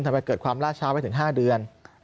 ทำให้เกิดความราชาไว้ถึง๕เดือน